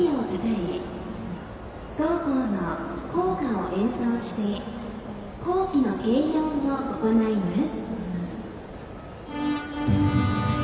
同校の校歌を演奏して、校旗の掲揚を行います。